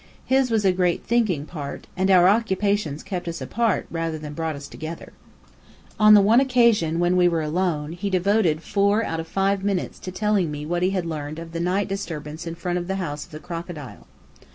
His was a great "thinking" part, and our occupations kept us apart rather than brought us together. On the one occasion when we were alone, he devoted four out of five minutes to telling me what he had learned of the night disturbance in front of the House of the Crocodile.